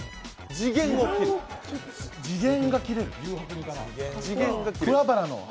次元が切れる？